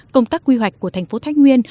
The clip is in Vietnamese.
công tác quy hoạch của thành phố thái nguyên